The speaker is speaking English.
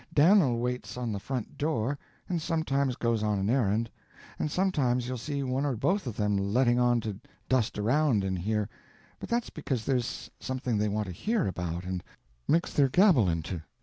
Dan'l waits on the front door, and sometimes goes on an errand; and sometimes you'll see one or both of them letting on to dust around in here—but that's because there's something they want to hear about and mix their gabble into.